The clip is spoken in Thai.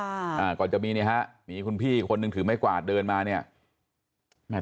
แล้วก่อนจะมีเนี่ยมีคุณพี่คนหนึ่งถือไม่กวาดเดินมาเนี่ย